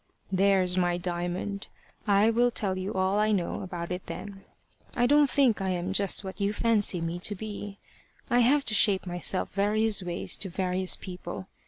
"There's my Diamond! I will tell you all I know about it then. I don't think I am just what you fancy me to be. I have to shape myself various ways to various people.